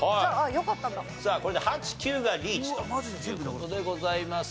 さあこれで８９がリーチという事でございます。